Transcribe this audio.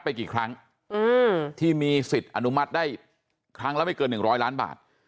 ไปกี่ครั้งอืมที่มีสิทธิ์อนุมัติได้ครั้งแล้วไม่เกินหนึ่งร้อยล้านบาท